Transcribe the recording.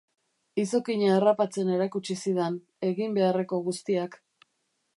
Izokina harrapatzen erakutsi zidan, egin beharreko guztiak.